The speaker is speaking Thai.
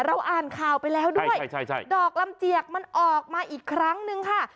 อ่านข่าวไปแล้วด้วยดอกลำเจียกมันออกมาอีกครั้งนึงค่ะ